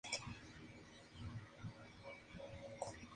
La Diócesis de Shreveport es sufragánea de la Arquidiócesis de Nueva Orleans.